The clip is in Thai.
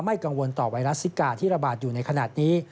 กังวลต่อไวรัสซิกาที่ระบาดอยู่ในขณะนี้